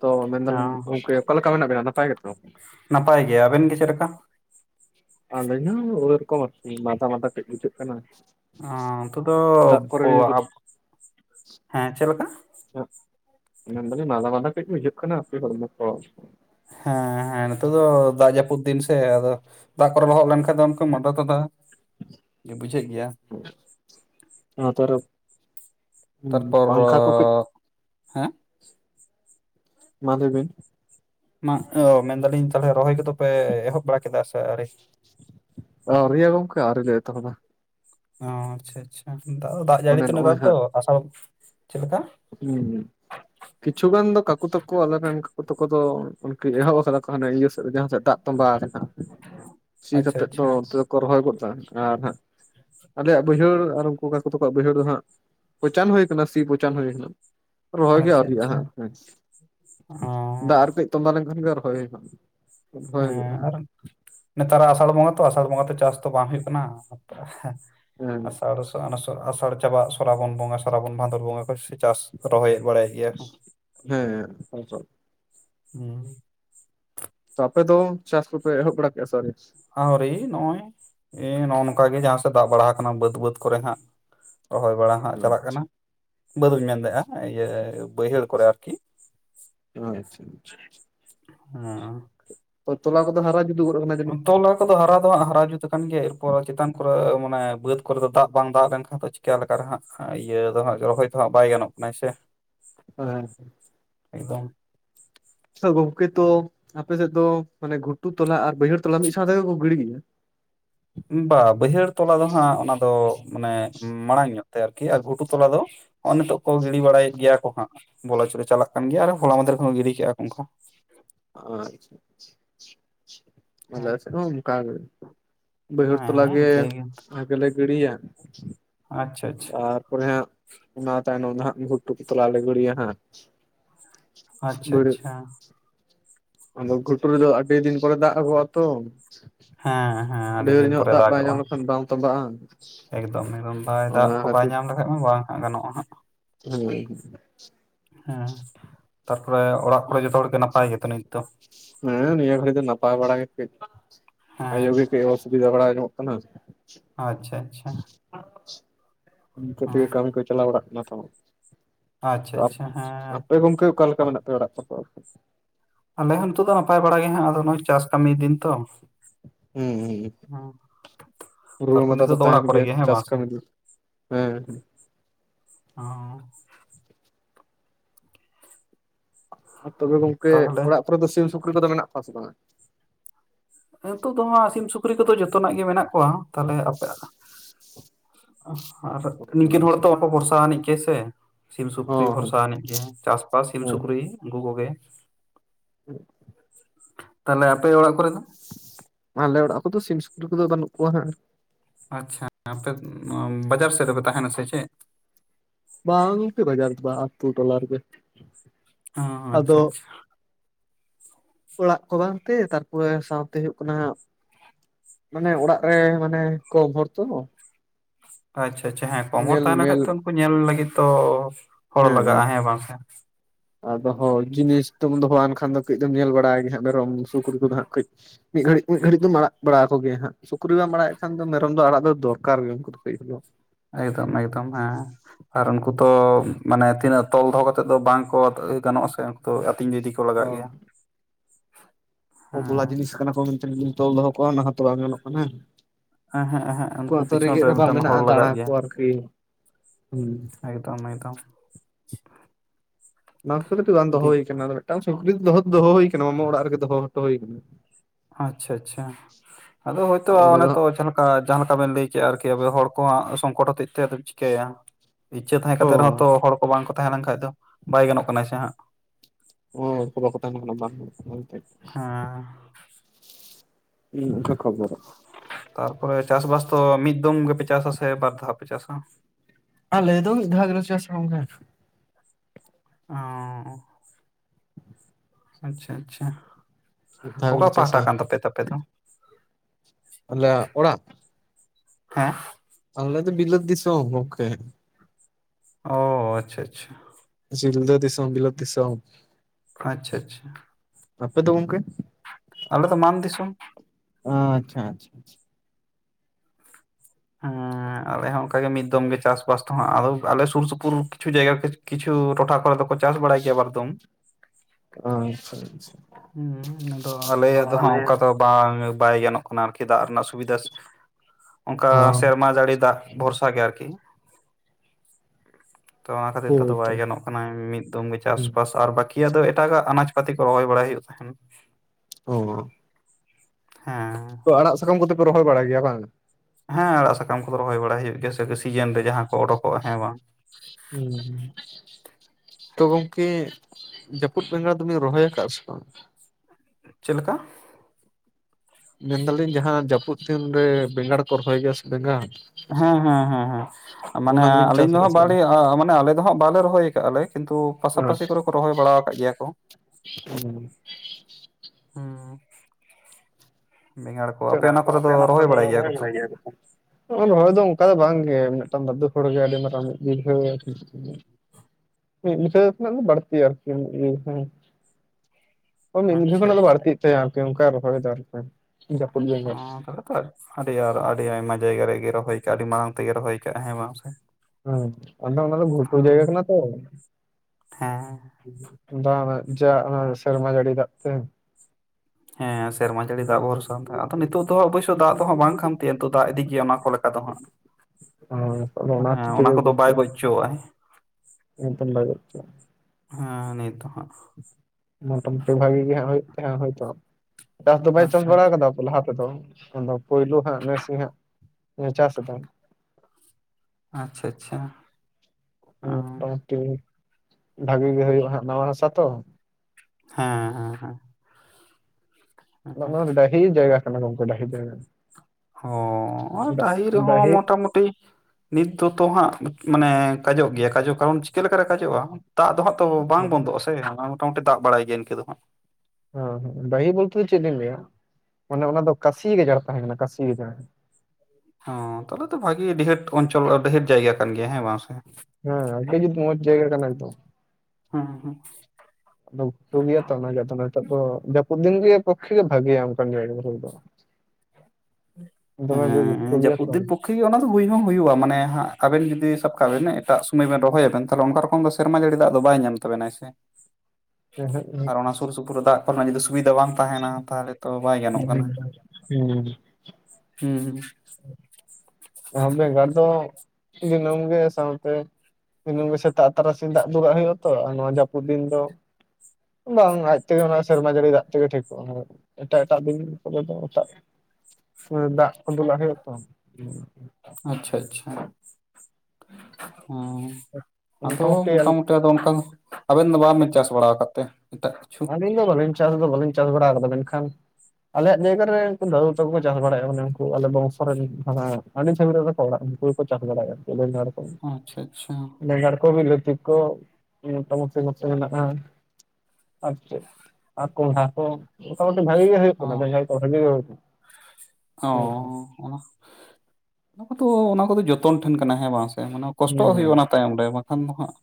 ᱛᱚ ᱢᱮᱱᱫᱟᱞᱤᱧ ᱚᱸ ᱜᱚᱢᱠᱮ ᱚᱠᱟ ᱞᱮᱠᱟ ᱢᱮᱱᱟᱜ ᱵᱤᱱᱟ ᱱᱟᱯᱟᱭ ᱜᱮᱛᱚ ᱱᱟᱯᱟᱭ ᱜᱮ ᱟᱵᱤᱱ ᱜᱮ ᱪᱮᱫ ᱞᱮᱠᱟ ᱟᱫᱚᱧᱦᱚ ᱳᱭ ᱨᱚᱠᱚᱢ ᱟᱨᱠᱤ ᱢᱟᱛᱟ ᱢᱟᱛᱟ ᱠᱟᱹᱡ ᱵᱩᱡᱷᱟᱹᱣᱜ ᱠᱟᱱᱟ ᱱᱤᱛ ᱫᱚ ᱫᱟᱜ ᱠᱚᱨᱮ ᱦᱮᱸ ᱪᱮᱫ ᱞᱮᱠᱟ [unintelligible] ᱢᱮᱱᱫᱟᱞᱤᱧ ᱢᱟᱫᱟ ᱢᱟᱫᱟ ᱠᱟᱹᱡ ᱵᱩᱡᱷᱟᱹᱜ ᱠᱟᱱᱟ ᱦᱚᱲᱢᱚ ᱠᱚ ᱦᱮᱸ ᱦᱮᱸ ᱱᱤᱛᱚᱜ ᱫᱚ ᱫᱟ ᱡᱟᱹᱯᱩᱫ ᱫᱤᱱ ᱥᱮ ᱟᱫᱚ ᱫᱟᱜ ᱠᱚᱨᱮ ᱞᱚᱦᱚᱜ ᱞᱮᱱᱠᱷᱟᱱ ᱫᱚ ᱚᱱᱠᱟ ᱢᱟᱫᱟ ᱛᱟᱫᱟ ᱜᱮ ᱵᱩᱡᱷᱟᱹᱜ ᱜᱮᱭᱟ ᱚᱱᱟ ᱛᱚᱨ ᱛᱟᱨᱯᱚᱨ ᱯᱟᱝᱠᱷᱟ ᱠᱚ ᱠᱟᱹᱡ ᱦᱮᱸ ᱢᱟ ᱞᱟᱹᱭ ᱵᱤᱱ ᱢᱟ ᱚ ᱢᱮᱱᱫᱟᱞᱤᱧ ᱛᱟᱦᱚᱞᱮ ᱨᱚᱦᱚᱭ ᱠᱚᱫᱚ ᱯᱮ ᱮᱦᱚᱵ ᱵᱟᱲᱟ ᱠᱮᱫᱟ ᱥᱮ ᱟᱹᱣᱨᱤ ᱟᱣᱨᱤᱭᱟ ᱜᱚᱝᱠᱮ ᱟᱣᱨᱤ ᱮᱛᱚᱦᱚᱵᱟ ᱚ ᱟᱪᱪᱷᱟ ᱟᱪᱪᱷᱟ ᱫᱟᱜ ᱡᱟᱹᱲᱤ ᱢᱟᱱᱮ ᱛᱮ ᱱᱮᱛᱟᱨ ᱱᱚᱜᱼᱚᱭ ᱛᱚ ᱟᱥᱟᱲ ᱪᱮᱫ ᱞᱮᱠᱟ ᱦᱩᱸ ᱦᱩᱸ ᱠᱤᱪᱷᱩ ᱜᱟᱱ ᱫᱚ ᱠᱟᱠᱩ ᱛᱟᱠᱚ ᱟᱞᱮᱨᱮ ᱨᱮᱱ ᱠᱟᱠᱚ ᱛᱟᱠᱚ ᱫᱚ ᱮᱦᱚᱵ ᱟᱠᱟᱫᱟ ᱠᱚ ᱦᱟᱱᱮ ᱤᱭᱟᱹ ᱥᱮᱫ ᱨᱮ ᱡᱟᱦᱟᱸ ᱥᱮᱫ ᱫᱟᱜ ᱛᱚᱢᱵᱟ ᱨᱮᱜ ᱥᱤ ᱟᱪᱪᱷᱟ ᱠᱟᱛᱮᱫ ᱫᱚ ᱟᱪᱪᱷᱟ ᱚᱱᱛᱮ ᱫᱚ ᱠᱚ ᱨᱚᱦᱚᱭ ᱜᱚᱫᱟ ᱟᱨ ᱦᱟᱜ ᱟᱞᱮᱭᱟᱜ ᱵᱟᱹᱭᱦᱟᱹᱲ ᱟᱨ ᱩᱱᱠᱩ ᱠᱟᱠᱩ ᱛᱟᱠᱚᱣᱟᱜ ᱵᱟᱹᱭᱦᱟᱹᱲ ᱫᱚ ᱦᱟᱸᱜ ᱯᱚᱪᱟᱱ ᱦᱩᱭᱩ ᱟᱠᱟᱱᱟ ᱥᱤ ᱪᱟᱱ ᱦᱩᱭ ᱟᱠᱟᱱᱟ ᱨᱚᱦᱚᱭ ᱜᱮ ᱟᱪᱪᱷᱟ ᱟᱹᱣᱨᱤᱭᱟᱜᱼᱟ ᱟᱪᱪᱷᱟ ᱦᱟᱸ ᱚ ᱫᱟᱜ ᱟᱨ ᱠᱟᱹᱡ ᱛᱚᱢᱵᱟ ᱞᱮᱱᱠᱷᱟᱱ ᱜᱮ ᱨᱚᱦᱚᱭ ᱦᱩᱭᱩᱜᱼᱟ᱾ ᱨᱚᱦᱚᱭ ᱦᱮᱸ ᱟᱨ ᱱᱮᱛᱟᱨ ᱟᱥᱟᱲ ᱵᱚᱸᱜᱟ ᱛᱚ ᱟᱥᱟᱲ ᱵᱚᱸᱜᱟ ᱛᱮ ᱪᱟᱥ ᱫᱚ ᱵᱟᱝ ᱦᱩᱭᱩᱜ ᱠᱟᱱᱟ ᱦᱮᱸ ᱟᱥᱟᱲ ᱚᱱᱟ ᱟᱥᱟᱲ ᱪᱟᱵᱟᱜ ᱥᱟᱨᱟᱵᱚᱱ ᱵᱚᱸᱜᱟ ᱥᱟᱨᱵᱚᱱ ᱵᱷᱟᱫᱚᱨ ᱵᱚᱸᱜᱟ ᱠᱚ ᱪᱟᱥ ᱨᱚᱦᱚᱭᱮᱫ ᱵᱟᱲᱟᱭ ᱜᱮᱭᱟ ᱦᱮᱸ ᱪᱚᱞ ᱦᱩᱸ ᱟᱯᱮ ᱫᱚ ᱪᱟᱥ ᱠᱚᱯᱮ ᱮᱦᱚᱵ ᱵᱟᱲᱟ ᱠᱮᱦᱼᱟ ᱥᱮ ᱟᱣᱨᱤᱭᱟ᱾ ᱟᱣᱨᱤ ᱱᱚᱜᱼᱚᱭ ᱱᱚᱜ ᱚᱭ ᱱᱚᱝᱠᱟ ᱜᱮ ᱡᱟᱦᱟᱸ ᱥᱮᱫ ᱫᱟᱜ ᱵᱟᱲᱟ ᱟᱠᱟᱱᱟ ᱵᱟᱹᱫᱽ ᱵᱟᱹᱫᱽ ᱠᱚᱨᱮ ᱦᱟᱸᱜ ᱨᱚᱦᱚᱭ ᱵᱟᱲᱟ ᱦᱟᱸᱜ ᱪᱟᱞᱟᱜ ᱠᱟᱱᱟ ᱟᱪᱪᱷᱟ ᱵᱟᱹᱫᱚᱩᱧ ᱢᱮᱱᱮᱫᱼᱟ ᱤᱭᱟᱹ ᱵᱟᱹᱭᱦᱟᱹᱲ ᱠᱚᱨᱮ ᱟᱨᱠᱤ ᱟᱪᱪᱷᱟ ᱟᱪᱪᱷᱟ ᱦᱩᱸ ᱛᱚᱞᱟ ᱠᱚᱫᱚ ᱦᱟᱨᱟ ᱡᱩᱫ ᱟᱠᱟᱱᱟ ᱡᱟᱹᱱᱤᱡ ᱠᱚᱫᱚ ᱦᱟᱨᱟ ᱫᱚ ᱦᱟᱸᱜ ᱦᱟᱨᱟ ᱡᱩᱛ ᱟᱠᱟᱱ ᱜᱮᱭᱟ ᱮᱨᱯᱚᱨ ᱪᱮᱛᱟᱱ ᱠᱚᱨᱮ ᱢᱟᱱᱮ ᱵᱟᱹᱫᱽ ᱠᱚᱨᱮ ᱫᱚ ᱫᱟᱜ ᱵᱟᱝ ᱫᱟᱜ ᱞᱮᱱᱠᱷᱟᱱ ᱫᱚ ᱪᱮᱠᱟ ᱞᱮᱠᱟᱨᱮ ᱦᱟᱸᱜ ᱤᱭᱟᱹ ᱫᱚ ᱦᱟᱸᱜ ᱨᱚᱦᱚᱭ ᱫᱚ ᱦᱟᱸᱜ ᱵᱟᱭ ᱜᱟᱱᱚᱜ ᱠᱟᱱᱟ ᱥᱮ ᱦᱮ ᱮᱠᱫᱚᱢ ᱜᱚᱝᱠᱮ ᱛᱚ ᱟᱯᱮ ᱥᱮᱫ ᱫᱚ ᱢᱟᱱᱮ ᱜᱷᱩᱴᱩ ᱛᱚᱞᱟ ᱟᱨ ᱵᱟᱹᱭᱦᱟᱹᱲ ᱛᱚᱞᱟ ᱢᱤᱫ ᱥᱟᱶ ᱛᱮᱜᱮᱠᱚ ᱜᱤᱲᱤ ᱜᱮᱭᱟ ᱵᱟ ᱵᱟᱹᱭᱦᱟᱹᱲ ᱛᱚᱞᱟ ᱫᱚ ᱦᱟᱸᱜ ᱚᱱᱟ ᱫᱚ ᱢᱟᱱᱮ ᱢᱟᱲᱟᱝ ᱧᱚᱜ ᱛᱮ ᱟᱨᱠᱤ ᱟᱨ ᱜᱷᱩᱴᱩ ᱛᱚᱞᱟ ᱫᱚ ᱱᱚᱜᱚᱭ ᱱᱤᱛᱚᱜ ᱠᱚ ᱜᱤᱰᱤ ᱵᱟᱲᱟᱭᱮᱫ ᱜᱮᱭᱟ ᱠᱚ ᱦᱟᱸᱜ ᱵᱚᱞᱚ ᱪᱩᱨ ᱨᱮ ᱪᱟᱞᱟᱜ ᱠᱟᱱ ᱜᱮᱭᱟ ᱟᱨ ᱦᱚᱞᱟ ᱢᱟᱫᱷᱮᱨ ᱠᱚᱦᱚᱸ ᱜᱤᱰᱤ ᱠᱮᱫᱟ ᱠᱚ ᱩᱱᱠᱩ ᱪᱷᱟ ᱦᱮᱸ ᱟᱠᱟᱜ [unintelligible] ᱵᱟᱹᱭᱦᱟᱹᱲ ᱛᱚᱞᱟ ᱦᱮᱸ ᱜᱮ ᱤᱱᱠᱟᱹ [inaudible] ᱞᱮ ᱜᱤᱰᱤᱭᱟ ᱟᱪᱪᱷᱟ ᱟᱪᱪᱷᱟ ᱟᱨ ᱛᱟᱯᱚᱨᱮ ᱦᱟᱸᱜ ᱚᱱᱟ ᱛᱟᱭᱱᱚᱢ ᱫᱚ ᱦᱟᱸᱜ ᱜᱷᱩᱴᱩ ᱠᱚ ᱛᱚᱞᱟ ᱞᱮ ᱜᱤᱰᱤᱭᱟ ᱦᱟᱸᱜ ᱟᱪᱪᱷᱟ ᱵᱟᱹᱭᱦᱟᱹᱲ ᱟᱪᱪᱷᱟ ᱟᱫᱚ ᱜᱷᱩᱴᱩ ᱨᱮᱫᱚ ᱟᱹᱰᱤ ᱫᱤᱱ ᱯᱚᱨᱮ ᱫᱟᱜ ᱜᱚ ᱟᱛᱚ ᱦᱮᱸ ᱦᱮᱸ ᱟᱹᱰᱤ ᱰᱷᱮᱨ ᱫᱤᱱ ᱧᱚᱜ ᱯᱚᱨᱮ ᱫᱟᱜ ᱵᱟᱭ ᱫᱟᱜᱚᱜᱼᱟ ᱧᱟᱢ ᱞᱮᱠᱷᱟᱱ ᱵᱟᱝ ᱛᱚᱸᱵᱟᱜᱼᱟ ᱮᱠᱫᱚᱢ ᱮᱠᱫᱚᱢ ᱵᱟᱭ ᱫᱟᱜ ᱠᱚ ᱚᱱᱟ ᱵᱟᱭ ᱠᱷᱟᱹᱛᱤᱨ ᱧᱟᱢ ᱞᱮᱠᱷᱟᱡ ᱢᱟ ᱵᱟᱝ ᱦᱟᱸᱜ ᱜᱟᱱᱚᱜᱼᱟ ᱦᱟᱸᱜ [unintelligible] ᱦᱮᱸ ᱛᱟᱨᱯᱚᱨᱮ ᱚᱲᱟᱜ ᱠᱚᱨᱮ ᱡᱚᱛᱚ ᱦᱚᱲ ᱜᱮ ᱱᱟᱯᱟᱭ ᱜᱮᱛᱚ ᱱᱤᱛ ᱫᱚ ᱦᱮᱸ ᱱᱤᱭᱟᱹ ᱜᱷᱟᱹᱲᱤᱡ ᱫᱚ ᱱᱟᱯᱟᱭ ᱵᱟᱲᱟ ᱜᱮ ᱠᱟᱹᱡ ᱦᱮᱸ ᱟᱭᱩ ᱜᱮ ᱠᱟᱹᱡ ᱚᱥᱩᱵᱤᱫᱷᱟ ᱵᱟᱲᱟ ᱧᱚᱜ ᱠᱟᱱᱟ ᱟᱪᱪᱷᱟ ᱟᱪᱪᱷᱟ ᱛᱮᱜ ᱦᱮᱸ ᱠᱟᱹᱢᱤ ᱠᱚ ᱪᱟᱞᱟᱣ ᱵᱟᱲᱟᱜ ᱱᱟ ᱛᱚ ᱟᱪᱪᱷᱟ ᱟᱪᱪᱷᱟ ᱦᱮᱸ ᱟᱯᱮ ᱜᱚᱝᱠᱮ ᱚᱠᱟᱞᱮᱠᱟ ᱢᱮᱱᱟᱜ ᱯᱮᱭᱟ ᱚᱲᱟᱜ ᱟᱞᱮ ᱦᱚᱸ ᱱᱤᱛᱩᱜ ᱫᱚ ᱱᱟᱯᱟᱭ ᱵᱟᱲᱟᱜ ᱜᱮ ᱦᱟᱸᱜ ᱟᱫᱚ ᱱᱚᱜᱼᱚᱭ ᱪᱟᱥ ᱠᱟᱹᱢᱤ ᱫᱤᱱ ᱛᱚ ᱦᱩᱸ ᱦᱩᱸ ᱦᱮᱸ ᱨᱩᱣᱟᱹ ᱛᱟᱨᱯᱚᱨ ᱢᱟᱛᱚ ᱫᱚ ᱱᱤᱛᱚᱜ ᱚᱲᱟᱜ ᱛᱟᱦᱮᱱ ᱠᱚᱨᱮ ᱜᱮᱭᱟ ᱜᱮ ᱦᱮᱸ ᱪᱟᱥ ᱵᱟᱝ ᱥᱮ ᱠᱟᱹᱢᱤ ᱦᱮᱸ [unintelligible] ᱟᱨ ᱛᱚᱵᱮ ᱜᱚᱝᱠᱮ ᱛᱟᱦᱚᱞᱮ ᱚᱲᱟᱜ ᱠᱚᱨᱮ ᱫᱚ ᱥᱤᱢ ᱥᱩᱠᱨᱤ ᱠᱚᱫᱚ ᱢᱮᱱᱟᱜ ᱠᱚᱣᱟ ᱥᱮ ᱵᱟᱝᱟ ᱱᱤᱛᱚᱜ ᱫᱚ ᱦᱟᱸᱜ ᱥᱤᱢ ᱥᱩᱠᱨᱤ ᱠᱚᱫᱚ ᱡᱚᱛᱚᱱᱟᱜ ᱜᱮ ᱢᱮᱱᱟᱜ ᱠᱚᱣᱟ ᱛᱟᱦᱞᱮ ᱟᱯᱮᱭᱟᱜ ᱟᱨ ᱱᱤᱝᱠᱟᱹᱱ ᱦᱚᱲ ᱛᱚ ᱵᱟᱠᱚ ᱵᱷᱚᱨᱥᱟ ᱟᱹᱱᱤᱡ ᱜᱮ ᱥᱮ ᱥᱤᱢ ᱦᱚᱸ ᱥᱩᱠᱨᱤ ᱦᱚᱸ ᱵᱷᱚᱨᱥᱟ ᱟᱹᱱᱤᱡ ᱜᱮ ᱪᱟᱥᱵᱟᱥ ᱥᱤᱢ ᱦᱮᱸ ᱥᱩᱠᱨᱤ ᱩᱱᱠᱩ ᱠᱚᱜᱮ [unintelligible] ᱛᱟᱦᱞᱮ ᱟᱯᱮ ᱚᱲᱟᱜ ᱠᱚᱨᱮ ᱫᱚ ᱟᱞᱮ ᱚᱲᱟᱜ ᱠᱚᱫᱚ ᱥᱤᱢ ᱥᱩᱠᱨᱤ ᱠᱚᱫᱚ ᱵᱟᱹᱱᱩᱜ ᱠᱚᱣᱟ ᱦᱮᱸ ᱟᱪᱷᱟ ᱟᱯᱮ ᱵᱟᱡᱟᱨ ᱥᱮᱫ ᱨᱮᱯᱮ ᱛᱟᱦᱮᱱᱟ ᱥᱮ ᱪᱮᱫ ᱵᱟᱝ ᱜᱚᱢᱠᱮ ᱵᱟᱡᱟᱨ [inaudible] ᱟᱹᱛᱩ ᱴᱚᱞᱟ ᱨᱮᱜᱮ ᱚᱸ ᱟᱪᱷᱟ ᱟᱫᱚ ᱟᱪᱷᱟ ᱚᱲᱟᱜ ᱠᱚ ᱵᱟᱝᱛᱮ ᱛᱟᱨᱯᱚᱨᱮ ᱥᱟᱶᱛᱮ ᱦᱩᱭᱩᱜ ᱠᱟᱱᱟ ᱢᱟᱱᱮ ᱚᱲᱟᱜ ᱨᱮ ᱢᱟᱱᱮ ᱠᱚᱢ ᱦᱚᱲ ᱛᱚ ᱟᱪᱷᱟ ᱟᱪᱷᱟ ᱦᱮᱸ ᱠᱚᱢ ᱦᱚᱲ ᱧᱮᱞ ᱛᱟᱦᱮᱸ ᱞᱮᱱ ᱧᱮᱞ ᱠᱷᱟᱱ ᱛᱚ ᱩᱱᱠᱩ ᱧᱮᱞ ᱞᱟᱹᱜᱤᱫ ᱛᱚ ᱦᱚᱲ ᱞᱟᱜᱟᱜᱼᱟ ᱦᱮᱸ ᱵᱟᱝ ᱥᱮ [unintelligible] ᱟᱫᱚ ᱦᱚ ᱡᱤᱱᱤᱥ ᱫᱚᱵᱚᱱ ᱫᱚᱦᱚ ᱟᱱ ᱠᱷᱟᱱ ᱫᱚ ᱠᱟᱹᱡ ᱫᱚ ᱧᱮᱞ ᱵᱟᱲᱟᱭ ᱜᱮ ᱦᱟᱸᱜ ᱢᱮᱨᱚᱢ ᱥᱩᱠᱨᱤ ᱠᱚᱫᱚ ᱦᱟᱸᱜ ᱠᱟᱹᱡ ᱢᱤᱫ ᱜᱷᱟᱹᱲᱤᱡ ᱢᱤᱫ ᱜᱷᱟᱹᱲᱤᱡ ᱫᱚᱢ ᱟᱲᱟᱜ ᱵᱟᱲᱟ ᱟᱠᱚ ᱜᱮᱭᱟ ᱦᱟᱸᱜ ᱥᱩᱠᱨᱤ ᱵᱟᱢ ᱟᱲᱟᱜ ᱮ ᱠᱷᱟᱱ ᱫᱚ ᱢᱮᱨᱚᱢ ᱫᱚ ᱟᱲᱟᱜ ᱫᱚ ᱫᱚᱨᱠᱟᱨ ᱜᱮ [unintelligible] ᱟᱭᱫᱚᱢ ᱟᱭᱫᱚᱢ ᱦᱮᱸ ᱟᱨ ᱩᱱᱠᱩ ᱫᱚ ᱢᱟᱱᱮ ᱛᱤᱱᱟᱹᱜ ᱛᱚᱞ ᱫᱚᱦᱚ ᱠᱟᱛᱮᱜ ᱫᱚ ᱵᱟᱝ ᱠᱚ ᱜᱟᱱᱚᱜᱼᱟ ᱥᱮ ᱛᱚ ᱟᱹᱛᱤᱧ ᱫᱚ ᱤᱫᱤ ᱠᱚ ᱞᱟᱜᱟᱜ ᱜᱮᱭᱟ᱾ ᱚᱵᱚᱞᱟ ᱦᱮᱸ ᱡᱤᱱᱤᱥ ᱠᱟᱱᱟ ᱠᱚ ᱢᱮᱱᱛᱮᱱ ᱵᱤᱱ ᱛᱚᱞ ᱫᱚᱦᱚ ᱠᱚᱣᱟ᱾ ᱚᱱᱟ ᱦᱚᱛᱚ ᱵᱟᱝ ᱜᱟᱱᱚᱜ ᱠᱟᱱᱟ᱾ ᱮᱸᱦᱮᱸᱜ ᱮᱸᱦᱮᱸᱜ ᱩᱱᱠᱩ ᱩᱱᱠᱩᱣᱟᱜ ᱛᱚ ᱯᱤᱪᱷᱚᱱ ᱨᱮᱸᱜᱮᱡ ᱨᱮ ᱨᱟᱵᱟᱝ ᱢᱤᱫᱴᱟᱝ ᱦᱚᱲ ᱢᱮᱱᱟᱜᱼᱟ, ᱫᱟᱬᱟ ᱞᱟᱜᱟᱜ ᱠᱚ ᱜᱮᱭᱟ ᱟᱨᱠᱤ᱾ ᱦᱩᱸ᱾ [unintelligible] ᱚᱱᱟ ᱠᱷᱟᱹᱛᱤᱨ ᱛᱮ ᱵᱟᱝ ᱫᱚᱦᱚ ᱫᱤᱡ ᱦᱩᱭ ᱟᱠᱟᱱᱟ᱾ ᱢᱤᱫᱴᱟᱝ ᱥᱩᱠᱨᱤ ᱫᱚᱦᱚ ᱫᱚᱦᱚ ᱦᱩᱭ ᱟᱠᱟᱱᱟ᱾ ᱢᱟᱢᱟ ᱚᱲᱟᱜ ᱨᱮᱜᱮ ᱫᱚᱦᱚ ᱦᱚᱴᱚ ᱦᱩᱭ ᱟᱪᱪᱷᱟ ᱟᱪᱪᱷᱟ᱾ ᱟᱫᱚ ᱦᱳᱭᱛᱚ ᱚᱸᱰᱮ ᱚᱱᱮ ᱫᱚ ᱛᱚ ᱦᱟᱸᱜ ᱟ ᱡᱟᱦᱟᱸ ᱞᱮᱠᱟ ᱵᱮᱱ ᱞᱟᱹᱭ ᱠᱮᱫᱼᱟ ᱟᱨᱠᱤ ᱟᱵᱚ ᱦᱚᱲ ᱠᱚᱣᱟᱜ ᱥᱚᱝᱠᱚᱴ ᱦᱚᱛᱮᱡ ᱛᱮ ᱪᱤᱠᱟᱹᱭᱟ ᱤᱪᱷᱟᱹ ᱛᱟᱦᱮᱸ ᱠᱟᱛᱮ ᱨᱮᱦᱚᱸ ᱦᱳᱭ ᱛᱚ ᱦᱚᱲ ᱠᱚ ᱵᱟᱝ ᱠᱚ ᱛᱟᱦᱮᱸ ᱞᱮᱱᱠᱟᱱᱡ ᱫᱚ ᱵᱟᱭ ᱜᱟᱱᱚᱜ ᱠᱟᱱᱟ ᱥᱮ ᱦᱟᱸᱜ [unintelligible] ᱦᱩᱸ᱾ ᱩᱸ ᱚᱠᱟ ᱠᱷᱚᱵᱚᱨᱟᱜ ᱛᱟᱨᱯᱚᱨᱮ ᱪᱟᱥᱵᱟᱥ ᱫᱚ ᱢᱤᱫᱫᱚᱢ ᱜᱮᱯᱮ ᱪᱟᱥᱟ ᱥᱮ ᱵᱟᱨ ᱫᱷᱟᱣ ᱯᱮ ᱪᱟᱥᱟ? ᱟᱞᱮ ᱫᱚ ᱢᱤᱫ ᱫᱷᱟᱣ ᱜᱮᱞᱮ ᱪᱟᱥᱟ ᱜᱚᱝᱠᱮ᱾ ᱚᱸᱻ᱾ ᱟᱪᱪᱷᱟ ᱟᱪᱪᱷᱟ᱾ ᱢᱤᱫ ᱫᱷᱟᱣ ᱚᱠᱟ ᱜᱮᱞᱮ ᱯᱟᱦᱴᱟ ᱪᱟᱥᱟ ᱠᱟᱱ ᱛᱟᱯᱮ ᱛᱟᱯᱮ ᱫᱚ ᱟᱞᱮᱭᱟᱜ ᱚᱲᱟᱜ᱾ ᱦᱮᱸ ᱟᱞᱮ ᱫᱚ ᱵᱤᱞᱟᱹᱛ ᱫᱤᱥᱚᱢ ᱜᱚᱝᱠᱮ ᱚ ᱟᱪᱷᱟ ᱟᱪᱷᱟ ᱥᱤᱞᱫᱟᱹ ᱫᱤᱥᱚᱢ ᱵᱤᱞᱟᱹᱛ ᱫᱤᱥᱚᱢ ᱟᱪᱪᱷᱟ ᱟᱪᱪᱷᱟ ᱟᱯᱮ ᱫᱚ ᱜᱚᱢᱠᱮ ᱟᱞᱮ ᱫᱚ ᱢᱟᱱ ᱫᱤᱥᱚᱢ ᱚᱸ ᱟᱪᱷᱟ ᱪᱷᱟ ᱪᱷᱟ ᱦᱮᱸ ᱟᱞᱮ ᱦᱚᱸ ᱚᱱᱠᱟ ᱜᱮ ᱢᱤᱫ ᱫᱚᱢ ᱜᱮ ᱪᱟᱥ ᱵᱟᱥ ᱛᱚᱦᱚᱸ ᱟᱫᱚ ᱟᱞᱮ ᱥᱩᱨ ᱥᱩᱯᱩᱨ ᱠᱤᱪᱷᱩ ᱡᱟᱭᱜᱟ ᱨᱮ ᱠᱤᱪᱩ ᱴᱚᱴᱷᱟ ᱠᱚᱨᱮ ᱫᱚ ᱠᱚ ᱪᱟᱥ ᱵᱟᱲᱟᱭ ᱜᱮᱭᱟ ᱵᱟᱨᱫᱚᱢ ᱟᱪᱪᱷᱟ ᱟᱪᱪᱷᱟ ᱦᱮᱸ ᱟᱫᱚ ᱚ ᱟᱞᱮᱭᱟᱜ ᱫᱚ ᱦᱟᱸᱜ ᱟᱞᱮ ᱚᱱᱠᱟ ᱫᱚ ᱵᱟᱝ ᱵᱟᱭ ᱜᱟᱱᱚᱜ ᱠᱟᱱᱟ ᱟᱨᱠᱤ ᱫᱟᱜ ᱨᱮᱱᱟᱜ ᱥᱩᱵᱤᱫᱷᱟ ᱚᱱᱠᱟ ᱚ ᱥᱮᱨᱢᱟ ᱡᱟᱹᱲᱤ ᱫᱟᱜ ᱵᱷᱚᱨᱥᱟ ᱜᱮ ᱟᱨᱠᱤ [inaudible] ᱛᱚ ᱚᱱᱟ ᱠᱷᱟᱹᱛᱤᱨ ᱛᱮᱫᱚ ᱵᱟᱭ ᱦᱳᱭᱛᱚ ᱜᱟᱱᱚᱜ ᱠᱟᱱᱟ ᱢᱤᱫ ᱫᱚᱢ ᱜᱮ ᱦᱩᱸ ᱪᱟᱥᱵᱟᱥ ᱟᱨ ᱵᱟᱠᱤ ᱮᱭᱟ ᱟᱫᱚ ᱮᱴᱟᱜᱟᱜ ᱟᱱᱟᱡ ᱯᱟᱹᱛᱤ ᱠᱚ ᱨᱚᱦᱚᱭ ᱵᱟᱲᱟᱭ ᱦᱩᱭᱩᱜ ᱛᱟᱦᱮᱸᱱ ᱚᱦᱚ ᱦᱮᱸ ᱛᱚ ᱟᱲᱟᱜ ᱥᱟᱠᱟᱢ ᱠᱚ ᱛᱚᱯᱮ ᱨᱚᱦᱚᱭ ᱵᱟᱲᱟᱭ ᱜᱮᱭᱟ ᱵᱟᱝ ᱦᱮᱸ ᱟᱲᱟᱜ ᱥᱟᱠᱟᱢ ᱠᱚᱫᱚ ᱨᱚᱦᱚᱭ ᱵᱟᱲᱟᱭ ᱦᱩᱭᱩᱜ ᱜᱮᱭᱟ ᱥᱮ ᱥᱤᱡᱤᱱ ᱨᱮ ᱡᱟᱦᱟᱸ ᱠᱚ ᱚᱰᱳᱠᱚᱜᱼᱟ ᱦᱮᱸ ᱵᱟᱝ ᱦᱮᱸ [inaudible] ᱛᱚ ᱜᱚᱝᱠᱮ ᱡᱟᱹᱯᱩᱫ ᱵᱮᱸᱜᱲᱟ ᱫᱚᱵᱮᱧ ᱨᱚᱦᱚᱭ ᱟᱠᱟᱫᱼᱟ ᱥᱮ ᱵᱟᱝ ᱪᱮᱫ ᱞᱮᱠᱟ ᱢᱮᱱᱫᱟᱞᱤᱧ ᱡᱟᱦᱟᱸ ᱡᱟᱹᱯᱩᱫ ᱫᱤᱱ ᱨᱮ ᱵᱮᱸᱜᱟᱲ ᱠᱚ ᱨᱚᱦᱚᱭ ᱜᱮᱭᱟ ᱥᱮ ᱵᱮᱸᱜᱟᱲ ᱦᱮᱸ ᱦᱮᱸ ᱦᱮᱸ ᱦᱮᱸ ᱢᱟᱱᱮ ᱚᱱᱟ ᱫᱚᱵᱤᱱ ᱪᱟᱥ ᱟᱞᱤᱧ ᱫᱚ ᱟᱠᱟᱫ ᱦᱟᱸᱜ ᱥᱮ ᱵᱟᱞᱤ ᱵᱟᱝ ᱟ-ᱟ ᱢᱟᱱᱮ ᱟᱞᱮ ᱫᱚᱦᱟᱸᱜ ᱵᱟᱞᱮ ᱨᱚᱦᱚᱭ ᱟᱠᱟᱟᱜᱼᱟᱞᱮ ᱠᱤᱱᱛᱩ ᱯᱟᱥᱟᱯᱟᱥᱤ ᱟᱠᱟᱥᱮᱫ ᱟᱪᱪᱷᱟ ᱠᱚᱨᱮ ᱠᱚ ᱨᱚᱦᱚᱭ ᱵᱟᱲᱟ ᱟᱠᱟᱫ ᱜᱮᱭᱟ ᱠᱚ [inaudible] ᱦᱩᱸ ᱵᱮᱸᱜᱟᱲ ᱠᱚ ᱟᱯᱮ ᱫᱚ ᱟᱞᱮ ᱚᱱᱟ ᱠᱚᱨᱮ ᱵᱟᱲᱟᱭ ᱨᱚᱦᱚᱭ ᱠᱚᱛᱚ ᱜᱮᱭᱟ ᱛᱚ ᱨᱚᱦᱚᱭ ᱫᱚ ᱚᱱᱠᱟ ᱫᱚ ᱵᱟᱝᱜᱮ ᱢᱤᱫᱴᱟᱝ ᱫᱟᱹᱫᱩ ᱦᱚᱲᱜᱮ ᱟᱹᱰᱤ [unintelligible] ᱢᱤᱛ ᱵᱤᱜᱷᱟ ᱠᱷᱟᱱᱟ ᱫᱚ ᱵᱟᱲᱛᱤ ᱟᱨᱠᱤ ᱦᱮᱸ ᱢᱤᱫ ᱵᱤᱜᱷᱟ ᱟᱪᱪᱷᱟ ᱠᱷᱚᱱᱟᱜ ᱫᱚ ᱟᱪᱪᱷᱟ ᱵᱟᱹᱲᱛᱤᱜ ᱛᱟᱭᱟ ᱟᱨᱠᱤ ᱚᱱᱠᱟ ᱨᱚᱦᱚᱭ ᱡᱟᱹᱯᱩᱫ ᱵᱮᱸᱜᱟᱲ [unintelligible] ᱟᱹᱰᱤ ᱟᱨ ᱟᱹᱰᱤ ᱟᱭᱢᱟ ᱡᱟᱭᱜᱟ ᱨᱮᱜᱮ ᱨᱚᱦᱚᱭ ᱠᱟᱜᱼᱟ ᱟᱹᱰᱤ ᱢᱟᱲᱟᱝ ᱛᱮᱜᱮ ᱨᱚᱦᱚᱭ ᱠᱟᱜᱼᱟ ᱦᱮᱸ ᱵᱟᱝ ᱥᱮ ᱦᱮᱸ ᱚᱱᱟ ᱫᱚ ᱜᱷᱩᱴᱩ ᱡᱟᱭᱜᱟ ᱠᱟᱱᱟ ᱛᱚ ᱦᱮᱸ ᱵᱟᱝ ᱡᱟ ᱚᱱᱟ ᱥᱮᱨᱢᱟ ᱡᱟᱹᱲᱤ ᱫᱟᱜ ᱛᱮ ᱦᱮᱸ ᱥᱮᱨᱢᱟ ᱡᱟᱹᱲᱤ ᱫᱟᱜ ᱵᱷᱚᱨᱥᱟ ᱟᱫᱚ ᱱᱤᱛᱚᱜ ᱫᱚ ᱚᱵᱚᱥᱥᱳ ᱫᱟᱜ ᱫᱚ ᱦᱚᱸ ᱵᱟᱝ ᱠᱟᱱ ᱛᱟᱭᱟ ᱧᱤᱛᱜ ᱫᱟᱜ ᱤᱫᱤᱜᱭᱟ ᱚᱱᱟ ᱠᱚ ᱟᱫᱚ ᱦᱟᱸᱜ ᱢᱟᱱᱮ [unintelligible] ᱚᱱᱟ ᱠᱚᱫᱚ ᱵᱟᱭ ᱜᱚᱡ ᱪᱚᱣᱟ ᱱᱤᱛᱚᱝ [inaudible] ᱦᱮᱸ ᱱᱤᱛ ᱫᱚ ᱦᱟᱸᱜ ᱢᱳᱴᱟᱢᱩᱴᱤ ᱵᱷᱟᱹᱜᱤ ᱜᱮ ᱦᱳᱭᱳᱜ ᱛᱟᱭᱟ ᱦᱚᱭᱛᱚ ᱪᱟᱥ ᱫᱚ ᱵᱟᱭ ᱪᱟᱥ ᱟᱪᱪᱷᱟ ᱵᱟᱲᱟ ᱟᱪᱪᱷᱟ ᱟᱠᱟᱫᱟ ᱞᱟᱦᱟ ᱛᱮᱫᱚ ᱯᱳᱭᱞᱳ ᱦᱟᱸᱜ ᱱᱮᱥ ᱜᱮ ᱦᱟᱸᱜ ᱪᱟᱥ ᱮᱫᱟ ᱟᱪᱷᱟ ᱟᱪᱷᱟ ᱢᱳᱚᱴᱟᱟᱢᱩᱴᱤ ᱵᱷᱟᱜᱤ ᱜᱮ ᱦᱩᱭᱩᱜᱼᱟ ᱦᱟᱸᱜ ᱱᱟᱣᱟ ᱦᱟᱥᱟ ᱛᱚ ᱦᱮᱸ ᱦᱮᱸ ᱦᱮᱸ ᱰᱟᱦᱤ ᱡᱟᱭᱜᱟ ᱠᱟᱱᱟ ᱜᱚᱢᱠᱮ ᱰᱟᱦᱤ ᱡᱟᱭᱜᱟ ᱦᱚᱸ ᱰᱟᱦᱤ ᱨᱮᱦᱚ ᱰᱟᱹᱦᱤ ᱢᱳᱴᱟᱢᱩᱴᱤ ᱱᱤᱛ ᱫᱚᱛᱚ ᱦᱟᱸᱜ ᱢᱟᱱᱮ ᱠᱟᱡᱚᱜ ᱜᱮᱭᱟ ᱠᱟᱡᱚ ᱠᱟᱨᱚᱱ ᱪᱤᱠᱟ. ᱞᱮᱠᱟ ᱨᱮ ᱠᱟᱡᱚᱜᱼᱟ? ᱫᱟᱜ ᱫᱚ ᱦᱟᱸᱜ ᱛᱚ ᱵᱟᱝ ᱵᱚᱱᱫᱚᱜᱼᱟᱥᱮ ᱢᱚᱴᱟᱢᱩᱴᱤ ᱫᱟᱜ ᱵᱟᱲᱟᱭ ᱜᱮᱭᱟ ᱤᱱᱠᱟᱹ ᱫᱚ ᱦᱟᱸᱜ ᱦᱮᱸ ᱰᱟᱹᱦᱤ ᱵᱚᱞᱛᱮ ᱫᱚ ᱪᱮᱫ ᱮᱢ ᱞᱟᱹᱭᱟ ᱢᱟᱱᱮ ᱚᱱᱟ ᱫᱚ ᱠᱟᱥᱤ ᱜᱟᱡᱟᱲ ᱛᱟᱦᱮᱸ ᱠᱟᱱᱟ ᱠᱟᱥᱤ ᱜᱟᱡᱟᱲ ᱦᱚᱸ ᱛᱟᱦᱚᱞᱮ ᱫᱚ ᱵᱷᱟᱹᱜᱤ ᱰᱤᱦᱮᱴ ᱚᱧᱪᱚᱞ ᱰᱤᱦᱮᱴ ᱡᱟᱭᱜᱟ ᱠᱟᱱ ᱜᱮᱭᱟ ᱦᱮᱸ ᱵᱟᱝ ᱥᱮ ᱦᱮᱸ ᱟᱹᱰᱤ ᱢᱚᱸᱡᱽ ᱡᱟᱭᱜᱟ ᱠᱟᱱᱟ ᱮᱠᱫᱚᱢ ᱦᱩᱸ ᱜᱷᱩᱴᱩ ᱜᱮᱭᱟ ᱛᱚ ᱚᱱᱟᱜᱮ ᱱᱤᱛᱚᱜ ᱫᱚ ᱡᱟᱹᱯᱩᱫ ᱫᱤᱱ ᱜᱮ ᱯᱚᱠᱷᱮ ᱵᱷᱟᱜᱮᱭᱟ ᱚᱱᱠᱟᱱ ᱡᱟᱭᱜᱟ ᱫᱚ [inaudible] ᱫᱚᱢᱮ ᱜᱮ ᱜᱷᱩᱴᱩ ᱜᱮᱭᱟ ᱛᱚ ᱠᱷᱤ ᱜᱮ ᱚᱱᱟ ᱫᱚ ᱦᱩᱭ ᱦᱚᱸ ᱦᱩᱭᱩᱜᱼᱟ ᱢᱟᱱᱮ ᱦᱟᱸᱜ ᱟᱵᱤᱱ ᱡᱩᱫᱤ ᱥᱟᱵ ᱠᱟᱜ ᱵᱤᱱ ᱮᱴᱟᱜ ᱥᱚᱢᱚᱭ ᱵᱤᱱ ᱨᱚᱦᱚᱭ ᱟᱵᱤᱱ ᱛᱟᱦᱚᱞᱮ ᱚᱱᱠᱟ ᱨᱚᱠᱚᱢ ᱥᱮᱨᱢᱟ ᱡᱟᱹᱲᱤ ᱫᱟᱜ ᱫᱚ ᱵᱟᱭ ᱧᱟᱢ ᱛᱟᱵᱤᱱᱟᱭ ᱥᱮ ᱟᱨ ᱚᱱᱟ ᱥᱩᱨ ᱥᱩᱯᱩᱨ ᱫᱟᱜ ᱠᱚᱨᱮᱱᱟᱜ ᱡᱩᱫᱤ ᱥᱩᱵᱤᱫᱟ ᱵᱟᱝ ᱛᱟᱸᱦᱮᱱᱟ ᱛᱟᱦᱚᱞᱮ ᱛᱚ ᱵᱟᱭ ᱜᱟᱱᱚᱜ [inaudible] ᱦᱩᱸ ᱦᱩᱸᱻ [inaudible] ᱵᱮᱸᱜᱟᱲ ᱫᱚ ᱫᱤᱱᱟᱹᱢ ᱜᱮ ᱥᱟᱶᱛᱮ ᱫᱤᱱᱟᱹᱢ ᱥᱮᱛᱟᱜ ᱛᱟᱨᱟᱥᱤᱧ ᱫᱟᱜ ᱫᱩᱞᱟᱜ ᱦᱩᱭᱩᱜᱼᱟ ᱛᱚ ᱟᱨ ᱱᱚᱣᱟ ᱡᱟᱹᱯᱩᱫ ᱫᱤᱱ ᱫᱚ ᱵᱟᱝ ᱟᱡ ᱛᱮᱜᱮ ᱚᱱᱟ ᱥᱮᱨᱢᱟ ᱡᱟᱹᱲᱤ ᱫᱟᱜ ᱛᱮᱜᱮ ᱴᱷᱤᱠᱚᱜᱼᱟ ᱚᱱᱟ ᱮᱴᱟᱜ ᱮᱴᱟᱜ ᱫᱤᱱ ᱠᱚᱨᱮ ᱫᱚ ᱫᱟᱜ ᱫᱟᱜ ᱠᱚ ᱫᱩᱞᱟᱜ ᱦᱩᱭᱩᱜᱼᱟ ᱛᱚ ᱟᱪᱪᱷᱟ ᱟᱪᱪᱷᱟ ᱦᱚᱸ ᱟᱫᱚ ᱢᱚᱴᱟᱢᱩᱴᱤ ᱫᱚ ᱚᱱᱠᱟ ᱟᱵᱮᱱ ᱫᱚ ᱵᱟᱝᱵᱤᱱ ᱪᱟᱥ ᱵᱟᱲᱟ ᱠᱟᱫ ᱛᱮ ᱮᱴᱟᱜ ᱠᱤᱪᱷᱩ ᱟᱹᱞᱤᱧ ᱫᱚ ᱵᱟᱹᱞᱤᱧ ᱪᱟᱥ ᱫᱚ ᱵᱟᱹᱞᱤᱧ ᱪᱟᱥ ᱵᱟᱲᱟ ᱢᱮᱱ ᱠᱷᱟᱱ ᱟᱞᱮᱭᱟᱜ ᱡᱟᱭᱜᱟ ᱨᱮ ᱩᱱᱠᱩ ᱫᱟᱫᱩ ᱛᱟᱠᱚ ᱠᱚ ᱪᱟᱥ ᱵᱟᱲᱟᱭᱟ ᱢᱟᱱᱮ ᱩᱱᱠᱩ ᱟᱞᱮ ᱵᱚᱝᱥᱚ ᱨᱮᱱ [inaudible] ᱟᱹᱰᱤ ᱥᱟᱺᱜᱤᱧ ᱨᱮᱛᱟ ᱠᱚ ᱚᱲᱟᱜ ᱩᱱᱠᱩ ᱜᱮᱠᱚ ᱪᱟᱥ ᱵᱟᱲᱟᱭᱮᱜᱼᱟ ᱟᱪᱪᱷᱟ ᱟᱪᱪᱷᱟ ᱵᱮᱸᱜᱟᱲ ᱠᱚ ᱵᱤᱞᱟᱹᱛᱤ ᱠᱚ ᱢᱚᱴᱟᱢᱩᱴᱤ ᱱᱚᱛᱮ ᱢᱮᱱᱟᱜᱼᱟ ᱟᱨ ᱪᱮᱫ ᱟᱨ ᱠᱚᱸᱰᱷᱟ ᱠᱚ ᱢᱚᱴᱟᱢᱩᱴᱤ ᱵᱷᱟᱹᱜᱤ ᱜᱮ ᱦᱩᱭᱩᱜ ᱠᱟᱱᱟ ᱵᱮᱸᱜᱟᱲ ᱠᱚ ᱦᱮᱸ ᱚᱸ ᱚᱱᱟ ᱫᱚ ᱚᱱᱟ ᱠᱚᱫᱚ ᱡᱚᱛᱚᱱ ᱴᱷᱮᱱ ᱠᱟᱱᱟ ᱦᱮᱸ ᱵᱟᱝ ᱢᱟᱱᱮ ᱠᱚᱥᱴᱚᱜ ᱦᱩᱭᱩᱜᱼᱟ ᱚᱱᱟ ᱛᱟᱭᱚᱢ ᱨᱮ ᱵᱟᱝ ᱠᱷᱟᱱ ᱫᱚ ᱦᱟᱸᱜ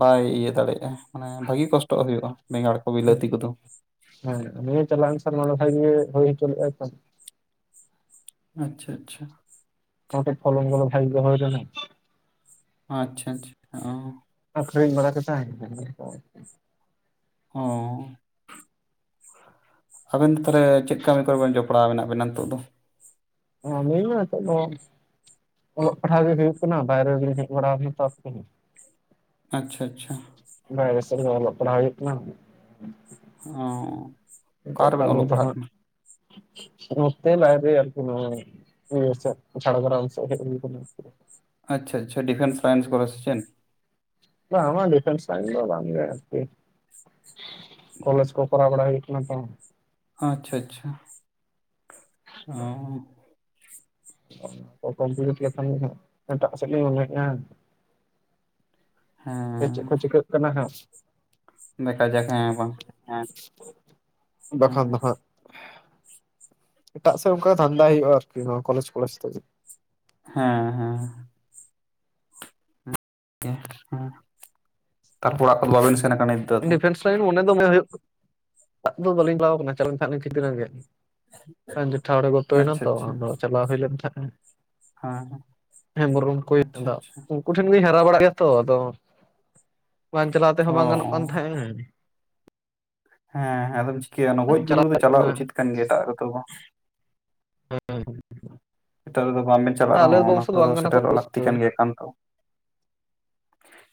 ᱵᱟᱭ ᱤᱭᱟᱹ ᱫᱟᱲᱮᱭᱟᱜᱼᱟ ᱢᱟᱱᱮ ᱵᱷᱟᱹᱜᱤ ᱠᱚᱥᱴᱚᱜ ᱦᱩᱭᱩᱜᱼᱟ ᱵᱮᱸᱜᱟᱲ ᱠᱚ ᱦᱩᱸ ᱵᱤᱞᱟᱹᱛᱤ ᱠᱚᱫᱚ ᱦᱮᱸ ᱱᱤᱭᱮ ᱪᱟᱞᱟᱣ ᱮᱱ ᱥᱮᱨᱢᱟ ᱜᱮ ᱵᱷᱟᱜᱮ ᱦᱩᱭ ᱪᱚ ᱞᱮᱜᱼᱟ ᱛᱚ ᱟᱪᱪᱷᱟ ᱟᱪᱪᱷᱟ ᱱᱚᱰᱮ ᱯᱷᱚᱞᱚᱱ ᱵᱚᱞᱮ ᱵᱷᱟᱜ ᱜᱮ ᱦᱩᱭ ᱞᱮᱱᱟ ᱟᱪᱪᱷᱟ, ᱟᱪᱪᱷᱟ, ᱚ ᱟᱹᱠᱷᱨᱤᱧ ᱵᱟᱲᱟ ᱠᱟᱛᱮ [unintelligible] ᱦᱚᱸ ᱟᱵᱮᱱ ᱫᱚ ᱛᱟᱞᱦᱮ ᱪᱮᱫ ᱠᱟᱹᱢᱤ ᱠᱚᱨᱮ ᱵᱮᱱ ᱡᱚᱯᱲᱟᱣ ᱢᱮᱱᱟᱜ ᱵᱤᱱᱟ ᱱᱤᱛᱚᱜ ᱫᱚ ᱟᱹᱞᱤᱧ ᱦᱚᱸ ᱱᱤᱛᱚᱜ ᱫᱚ ᱚᱞᱚᱜ ᱯᱟᱲᱦᱟᱜ ᱜᱮ ᱦᱩᱭᱩᱜ ᱠᱟᱱᱟ ᱵᱟᱭᱨᱮ ᱜᱮ ᱞᱤᱧ ᱦᱮᱡ ᱵᱟᱲᱟ ᱛᱚ ᱟᱪᱪᱷᱟ ᱟᱪᱪᱷᱟ ᱵᱟᱭᱨᱮ ᱥᱮᱫ ᱨᱮ ᱚᱞᱚᱜ ᱯᱟᱲᱦᱟᱣ ᱦᱩᱭᱩᱜ ᱠᱟᱱᱟ ᱚ ᱱᱤᱛᱳᱜ ᱚᱠᱟ ᱨᱮᱵᱮᱱ ᱠᱟᱹᱢᱤ ᱚᱞᱚᱜ ᱫᱚ ᱯᱟᱲᱦᱟᱜ ᱦᱟᱸᱜ ᱠᱟᱱᱟ ᱱᱚᱛᱮ ᱞᱟᱭᱤᱯ ᱨᱮ ᱟᱨᱠᱤ ᱱᱚᱣᱟ ᱤᱭᱟᱹ ᱥᱮᱜ ᱡᱷᱟᱲᱜᱨᱟᱢ ᱥᱮᱜ ᱦᱮᱡ ᱦᱩᱭ ᱠᱟᱱᱟ ᱟᱪᱷᱟ ᱟᱪᱪᱷᱟ ᱰᱤᱯᱷᱮᱱᱥ ᱞᱟᱭᱤᱱᱥ ᱠᱚᱨᱮ ᱥᱮ ᱪᱮᱫ ᱵᱟᱝ ᱟᱢᱟᱜ ᱰᱤᱯᱷᱮᱱᱥ ᱞᱟᱭᱤᱱ ᱫᱚ ᱵᱟᱝ ᱜᱮ ᱟᱨᱠᱤ ᱠᱚᱞᱮᱡᱽ ᱠᱚ ᱯᱟᱲᱦᱟᱣ ᱵᱟᱲᱟ ᱦᱩᱭᱩᱜ ᱠᱟᱱᱟ ᱛᱚ ᱟᱪᱪᱷᱟ ᱟᱪᱪᱷᱟ ᱚ ᱠᱚᱢᱯᱞᱤᱴ ᱞᱮᱠᱷᱟᱱ ᱜᱮ ᱦᱟᱸᱜ ᱮᱴᱟᱜ ᱥᱮᱫ ᱞᱤᱧ ᱢᱚᱱᱮᱭᱮᱜᱼᱟ ᱥᱮ ᱦᱮᱸ ᱪᱮᱫ ᱠᱚ ᱪᱤᱠᱟᱹᱜ ᱠᱟᱱᱟ ᱦᱟᱸᱜ ᱫᱮᱠᱷᱟ ᱡᱟᱠ ᱦᱮᱸ ᱵᱟᱝ ᱦᱮᱸᱵᱟᱠᱷᱟᱱ ᱦᱮᱸ ᱫᱚ ᱦᱟᱸᱜ᱾ ᱮᱴᱟᱜ ᱥᱮᱫ ᱚᱱᱠᱟ ᱫᱷᱟᱱᱫᱟᱭ ᱦᱩᱭᱩᱜ-ᱟ ᱟᱨ ᱠᱤ ᱱᱚᱣᱟ ᱠᱚᱞᱮᱪ ᱠᱚᱞᱮᱪ ᱥᱮᱡ᱾ ᱦᱮᱸ ᱦᱮᱸ᱾ ᱜᱮ ᱦᱮᱸ, ᱛᱟᱨᱯᱚᱨ ᱚᱲᱟᱜ ᱠᱚᱫᱚ ᱵᱟᱵᱮᱱ ᱥᱮᱱ ᱟᱠᱟᱱᱟ? ᱫᱚ ᱰᱤᱯᱷᱮᱱᱥ ᱞᱟᱭᱤᱱ ᱢᱚᱱᱮ ᱫᱚᱢᱮ ᱦᱩᱭᱩᱜ ᱲᱟᱜ ᱫᱚ ᱵᱟᱹᱞᱤᱧ ᱪᱟᱞᱟᱣ ᱠᱟᱱᱟ ᱪᱟᱞᱟᱣ ᱞᱤᱧ ᱦᱟᱸᱜ ᱫᱷᱤᱱᱟᱹᱱ ᱜᱮ᱾ ᱡᱮᱴᱷᱟ ‌ᱦᱚᱲᱮ ᱜᱚᱛᱚᱭᱱᱟ ᱟᱪᱪᱷᱟ ᱛᱚ ᱟᱪᱪᱷᱟ ᱟᱫᱚ ᱪᱟᱞᱟᱣ ᱦᱩᱭ ᱞᱮᱱ ᱛᱟᱦᱮᱸᱜ᱾ ᱦᱮᱸ ᱦᱮᱸ ᱵᱚᱨᱚᱢ ᱠᱩᱭᱤᱱ ᱟᱪᱪᱷᱟ ᱫᱟᱜ ᱟᱪᱪᱷᱟ ᱩᱸ᱾ ᱩᱱᱠᱩ ᱴᱷᱮᱱ ᱜᱤᱧ ᱦᱟᱨᱟ ᱵᱟᱲᱟᱜ ᱜᱮᱭᱟ ᱛᱚ ᱟᱫᱚ ᱵᱟᱝ ᱪᱟᱞᱟᱣ ᱛᱮᱦᱚᱸ ᱵᱟᱝ ᱜᱟᱱᱚᱜᱼᱼ ᱚ ᱩᱸ᱾ ᱦᱮᱸ ᱦᱮᱸ ᱟᱫᱚᱢ ᱪᱤᱠᱟᱹᱭᱟ ᱚᱱᱟ ᱜᱚᱡ ᱜᱩᱨᱩ ᱪᱟᱞᱟᱣ ᱫᱚ ᱦᱩᱭ ᱪᱟᱞᱟᱜ ᱞᱮᱱᱟ ᱩᱪᱤᱛ ᱠᱟᱱ ᱜᱮᱭᱟ ᱮᱴᱟᱜ ᱨᱮᱫᱚ ᱵᱟᱝ᱾ ᱦᱮᱸ ᱮᱴᱟᱜ ᱨᱮᱫᱚ ᱵᱟᱝᱵᱤᱱ ᱪᱟᱞᱟᱜ ᱟᱞᱮ ᱨᱮᱦᱚᱸ ᱚᱱᱟ ᱵᱚᱝᱥᱚ ᱠᱚᱨᱮ ᱫᱚ ᱵᱟᱝ ᱠᱟᱱᱟ ᱠᱚ ᱥᱮᱴᱮᱨᱚᱜ ᱚᱵᱚᱥᱥᱳ ᱞᱟᱠᱛᱤ ᱠᱟᱱ ᱦᱮᱸ ᱜᱮᱭᱟ ᱮᱠᱟᱱᱛᱚ᱾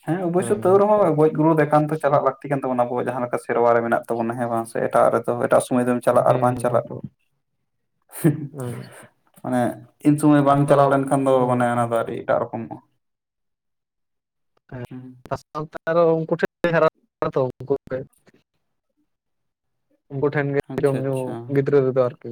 ᱦᱮᱸ ᱚᱵᱚᱥᱥᱭ ᱛᱟᱹᱣ ᱨᱮᱦᱚᱸ ᱜᱚᱡ ᱜᱩᱨ ᱫᱮᱠᱟᱱᱛᱚ ᱪᱟᱞᱟᱣ ᱞᱟᱠᱼᱼ ᱛᱤ ᱠᱟᱱ ᱛᱟᱵᱚ ᱟᱵᱚ ᱣᱟᱜ ᱡᱟᱦᱟᱸ ᱞᱮᱠᱟ ᱥᱮᱨᱣᱟ ᱨᱮ ᱢᱮᱱᱟᱜ ᱛᱟᱵᱚᱱᱟ ᱦᱮᱸ ᱵᱟᱝ ᱥᱮ ᱮᱴᱟᱜ ᱨᱮᱫᱚ ᱮᱴᱟᱜ ᱥᱚᱢᱟᱹᱭ ᱫᱚᱼᱼ ᱪᱟᱞᱟᱜ ᱟᱨ ᱵᱟᱝ ᱪᱟᱞᱟᱜ, ᱱᱤᱛᱚᱜ ᱦᱩᱸ᱾ ᱦᱮᱸ ᱢᱟᱱᱮ ᱤᱱ ᱥᱚᱢᱟᱹᱭ ᱵᱟᱝ ᱟᱫᱚ ᱪᱟᱞᱟᱣ ᱞᱮᱱ ᱠᱷᱟᱱ ᱫᱚ ᱦᱚᱸ ᱢᱟᱱᱮ ᱚᱱᱟ ᱫᱚ ᱟᱹᱰᱤ ᱮᱴᱟᱜ ᱨᱚᱠᱚᱢᱚᱜ-ᱟ᱾ ᱦᱮᱸ [inaudible] ᱩᱱᱠᱩ [unintelligible] ᱩᱱᱠᱩ ᱴᱷᱮᱱ ᱜᱮ ᱡᱚᱢ ᱟᱪᱪᱷᱟ ᱧᱩ ᱟᱪᱪᱷᱟ ᱜᱤᱫᱽᱨᱟᱹ ᱨᱮᱫᱚ ᱟᱨ ᱠᱤ᱾